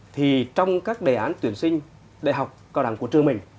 thì trong các đề án tuyển sinh đại học cao đẳng của trường mình